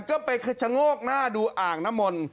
ก็ไปชะโงกหน้าดูอ่างน้ำมนต์